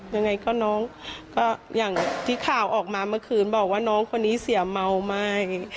ยังไงก็น้องก็อย่างที่ข่าวออกมาเมื่อคืนบอกว่าน้องคนนี้เสียเมาไหม